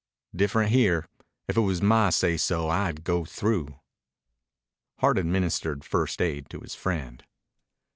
"Different here. If it was my say so I'd go through." Hart administered first aid to his friend.